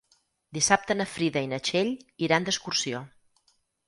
Dissabte na Frida i na Txell iran d'excursió.